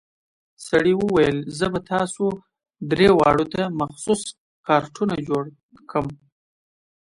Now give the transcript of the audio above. سړي وويل زه به تاسو درې واړو ته مخصوص کارتونه جوړ کم.